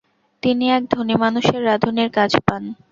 তিনি এক ধনী মানুষের রাঁধুনীর কাজ পান।